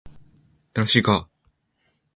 楽しいか